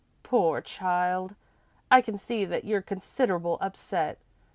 "Poor child, I can see that you're considerable upset.